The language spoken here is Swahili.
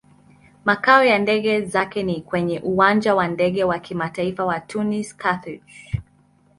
Makao ya ndege zake ni kwenye Uwanja wa Ndege wa Kimataifa wa Tunis-Carthage.